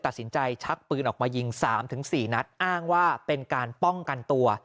ชักปืนออกมายิง๓๔นัดอ้างว่าเป็นการป้องกันตัว